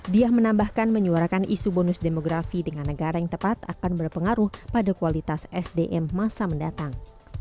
diah menambahkan menyuarakan isu bonus demografi dengan negara yang tepat akan berpengaruh pada kualitas sdm masa mendatang